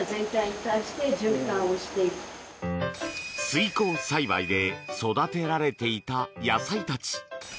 水耕栽培で育てられていた野菜たち。